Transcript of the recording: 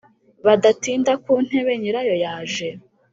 Badatinda ku ntebe nyirayo yaje